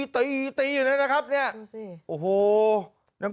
ตีตีอยู่นั่นนะครับเนี้ยดูสิโอ้โห